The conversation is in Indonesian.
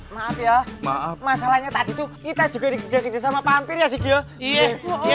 maaf ya maaf masalahnya tadi tuh kita juga dikejar kejar sama pampir ya dikira iya iya